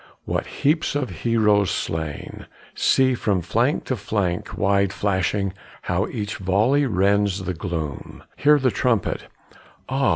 what heaps of heroes slain! See, from flank to flank wide flashing, How each volley rends the gloom; Hear the trumpet; ah!